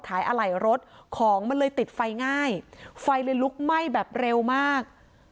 อะไหล่รถของมันเลยติดไฟง่ายไฟเลยลุกไหม้แบบเร็วมาก